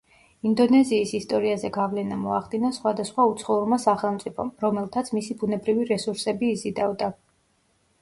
ინდონეზიის ისტორიაზე გავლენა მოახდინა სხვადასხვა უცხოურმა სახელმწიფომ, რომელთაც მისი ბუნებრივი რესურსები იზიდავდა.